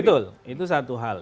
betul itu satu hal